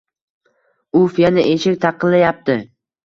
Uf yana eshik taqillayapti